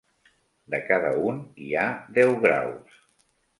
De cada un hi ha deu graus.